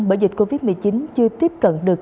bởi dịch covid một mươi chín chưa tiếp cận được